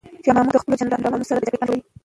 شاه محمود د خپلو جنرالانو سره د جګړې پلان جوړ کړ.